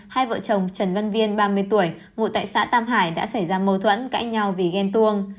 hai vợ chồng trần văn viên ba mươi tuổi ngụ tại xã tam hải đã xảy ra mâu thuẫn cãi nhau vì ghen tuông